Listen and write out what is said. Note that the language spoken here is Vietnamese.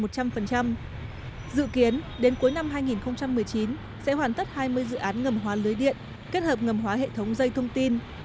dự kiến đến cuối năm hai nghìn một mươi chín sẽ hoàn tất hai mươi dự án ngầm hóa lưới điện kết hợp ngầm hóa hệ thống dây thông tin